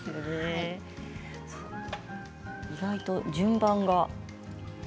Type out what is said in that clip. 意外と順番がね。